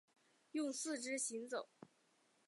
用四肢行走。